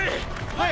はい！